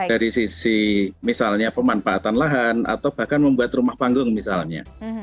dari sisi misalnya pemanfaatan lahan atau bahkan membuat rumah panggung misalnya